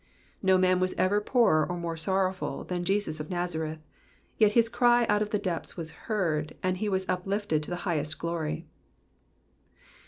No man was ever poorer or more sorrowful than Jesus of Nazareth, yet his cry out of the depths was heard, and he was uplifted to the highest glory.